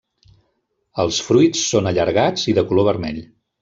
Els fruits són allargats i de color vermell.